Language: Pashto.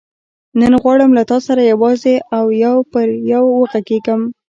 نن غواړم له تا سره یوازې او یو پر یو وغږېږم.